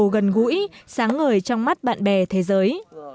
gần gũi sáng ngời trong mắt bạn bè thế giới